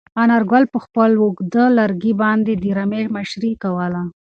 انارګل په خپل اوږد لرګي باندې د رمې مشري کوله.